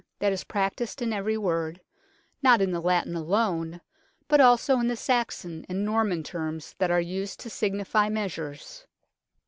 that is practised in every word, not in the Latin alone, but also in the Saxon and Norman terms that arc used to signify measures.